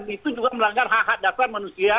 itu juga melanggar hak hak dasar manusia